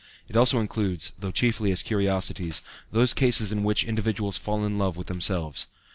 It also includes, though chiefly as curiosities, those cases in which individuals fall in love with themselves.